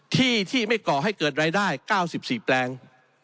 ที่ที่ไม่ก่อให้เกิดรายได้๙๔แปลง